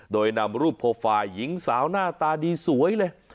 โดยนำรูปโปรไฟล์หญิงสาวหน้าตาดีสวยเลย